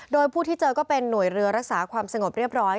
โดยผู้ที่เจอก็เป็นหน่วยเรือรักษาความสงบเรียบร้อย